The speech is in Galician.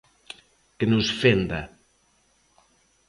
Que nos fenda.